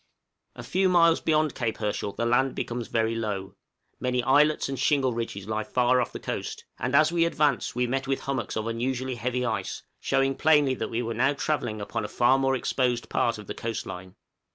A few miles beyond Cape Herschel the land becomes very low; many islets and shingle ridges lie far off the coast; and as we advanced we met with hummocks of unusually heavy ice, showing plainly that we were now travelling upon a far more exposed part of the coast line.